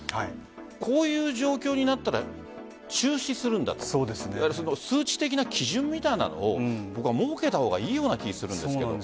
こういう状況になったら中止するんだと数値的な基準みたいなのを設けた方がいいような気がする。